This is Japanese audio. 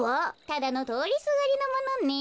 ただのとおりすがりのものね。